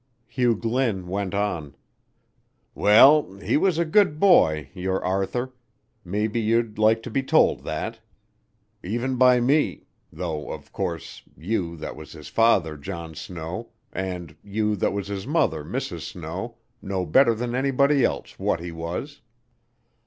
Hugh Glynn went on. "Well, he was a good boy, your Arthur maybe you'd like to be told that, even by me, though of course you that was his father, John Snow, and you that was his mother, Mrs. Snow, know better than anybody else what he was.